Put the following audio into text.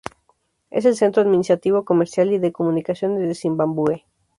Es el centro administrativo, comercial, y de comunicaciones de Zimbabue.